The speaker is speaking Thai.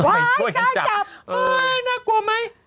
กล้าจับน่ากลัวไหม